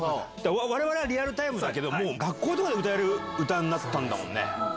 われわれはリアルタイムだけど、もう学校で歌える歌になったんだもんね。